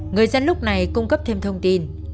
người dân lúc này cung cấp thêm thông tin